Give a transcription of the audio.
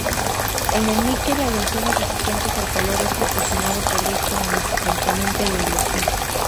En el níquel aleaciones resistentes al calor es proporcionado por dicho multi-componente de aleación.